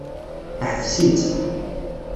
Teḥbes-itt.